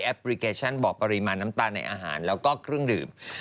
พลิเคชันบอกปริมาณน้ำตาลในอาหารแล้วก็เครื่องดื่ม